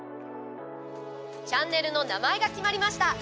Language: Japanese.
チャンネルの名前が決まりました。